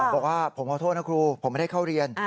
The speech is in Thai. บอกว่าผมขอโทษนะครูผมไม่ได้เข้าเรียน